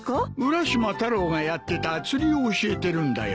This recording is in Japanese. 浦島太郎がやってた釣りを教えてるんだよ。